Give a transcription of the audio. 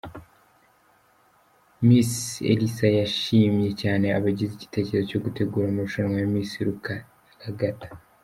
Miss Elsa yashimye cyane abagize igitekerezo cyo gutegura amarushanwa ya Miss Rukaragata.